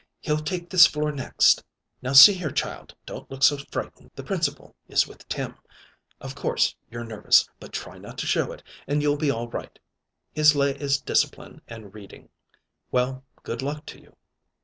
He'll take this floor next. Now, see here, child, don't look so frightened. The Principal is with Tim. Of course you're nervous, but try not to show it, and you'll be all right. His lay is discipline and reading. Well, good luck to you!"